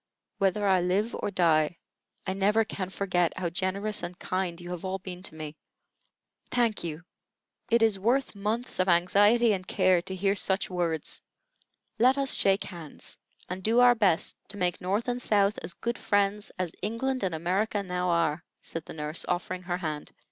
Whether I live or die, I never can forget how generous and kind you have all been to me." "Thank you! It is worth months of anxiety and care to hear such words. Let us shake hands, and do our best to make North and South as good friends as England and America now are," said the nurse, offering her hand.